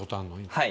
はい。